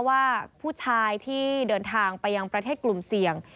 ว่าผู้ชายที่เดินทางไปยังประเทศกลุ่มเสี่ยง